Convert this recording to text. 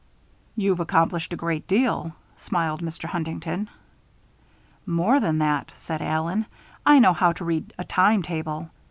"You've accomplished a great deal," smiled Mr. Huntington. "More than that," said Allen. "I know how to read a time table.